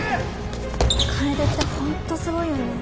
楓ってホントすごいよね